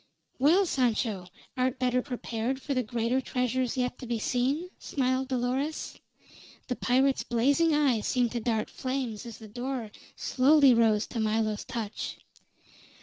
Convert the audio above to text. "Well, Sancho, art better prepared for the greater treasures yet to be seen?" smiled Dolores. The pirate's blazing eye seemed to dart flames as the door slowly rose to Milo's touch.